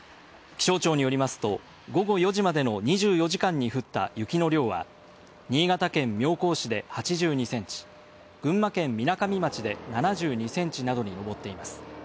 気象庁によりますと午後４時までの２４時間に降った雪の量は新潟県妙高市で８２センチ、群馬県みなかみ町で７２センチなどに上っています。